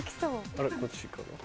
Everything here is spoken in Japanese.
あらこっちかな？